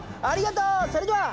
ありがとう！